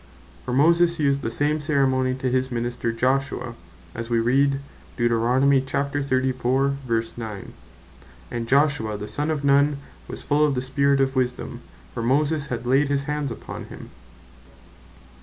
For Moses used the same ceremony to his Minister Joshua, as wee read Deuteronomy 34. ver. 9. "And Joshua the son of Nun was full of the Spirit of Wisdome; for Moses had laid his hands upon him."